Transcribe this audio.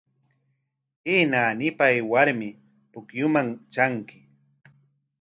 Kay naanipa aywarmi pukyuman tranki.